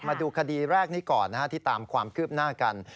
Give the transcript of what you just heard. มาดูคดีแรกนี้ก่อนที่ตามความคืบหน้ากัน